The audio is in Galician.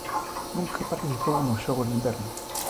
Nunca participou nos Xogos de Inverno.